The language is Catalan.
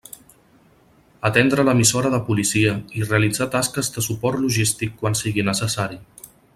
Atendre l'emissora de policia i realitzar tasques de suport logístic quan sigui necessari.